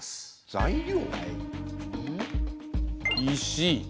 材料？